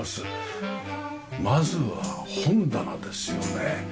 まずは本棚ですよね。